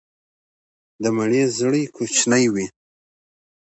د مڼې زړې کوچنۍ وي.